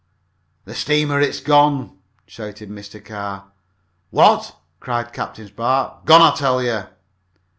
"The steamer! It's gone!" shouted Mr. Carr. "What!" cried Captain Spark. "Gone, I tell you!"